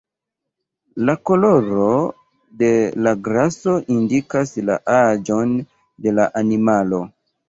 La koloro de la graso indikas la aĝon de la animalo.